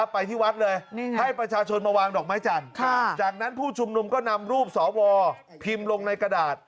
ไปที่วัดเลยให้ประชาชนมาวางดอกไม้จันทร์จากนั้นผู้ชุมนุมก็นำรูปสวพิมพ์ลงในกระดาษ